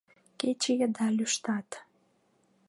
Кече еда лӱштат.